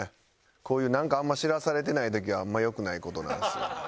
こういうなんかあんま知らされてない時はあんま良くない事なんですよね。